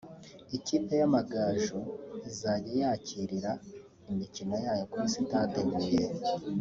ikipe y’Amagaju izajya yakirira imikino yayo ku ri Stade Huye